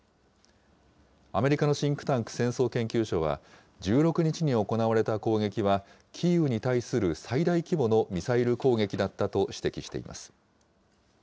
アメリカのシンクタンク、戦争研究所は、１６日に行われた攻撃は、キーウに対する最大規模のミサイル攻撃だったと指摘しています。